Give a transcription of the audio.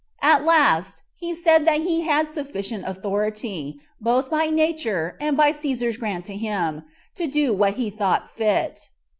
At last he said that he had sufficient authority, both by nature and by Cæsar's grant to him, [to do what he thought fit].